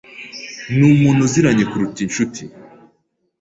Ni umuntu uziranye kuruta inshuti.